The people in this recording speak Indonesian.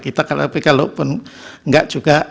kita tapi kalau pun enggak juga